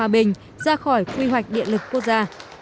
bình ra khỏi quy hoạch điện lực quốc gia